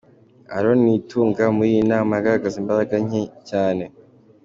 Aaron Nitunga muri iyi nama yagaragazaga imbaraga nke cyane.